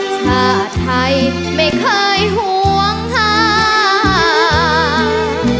ชาติไทยไม่เคยหวงหา